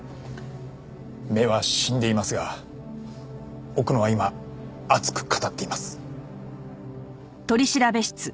目は死んでいますが奥野は今熱く語っています。